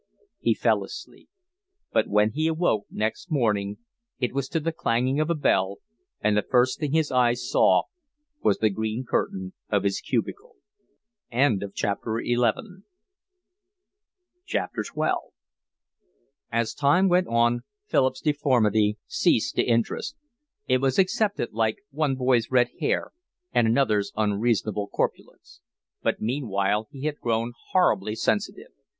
He fell asleep. But when he awoke next morning it was to the clanging of a bell, and the first thing his eyes saw was the green curtain of his cubicle. XII As time went on Philip's deformity ceased to interest. It was accepted like one boy's red hair and another's unreasonable corpulence. But meanwhile he had grown horribly sensitive.